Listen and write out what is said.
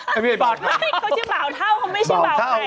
เขาชื่อเบาเท่าเขาไม่ชื่อเบาไข่